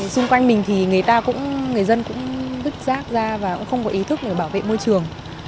xung quanh mình thì người ta cũng người dân cũng vứt rác ra và cũng không có ý thức để bảo vệ môi trường